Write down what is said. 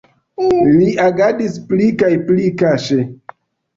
Li agadis pli kaj pli kaŝe.